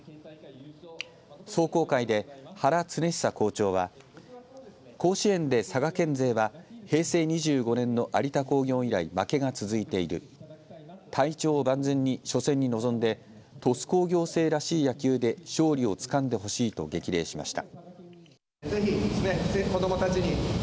壮行会で原恒久校長は甲子園で佐賀県勢は平成２５年の有田工業以来負けが続いている体調を万全に初戦に臨んで鳥栖工業生らしい野球で勝利をつかんでほしいと激励しました。